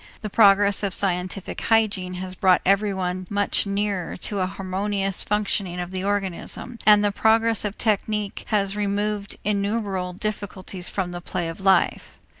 The progress of scientific hygiene has brought everyone much nearer to a harmonious functioning of the organism, and the progress of technique has removed innumerable difficulties from the play of life.